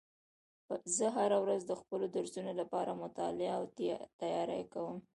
زه هره ورځ د خپلو درسونو لپاره مطالعه او تیاری کوم